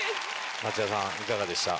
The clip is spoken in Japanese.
松也さんいかがでした？